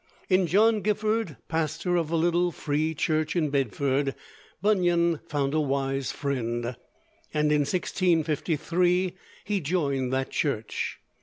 In John Gifford, pastor of a little Free Church in Bedford, Bunyan found a wise friend, and in 1653 he joined that church.